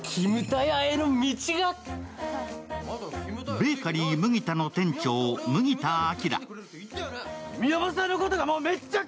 ベーカリー麦田の店長麦田章。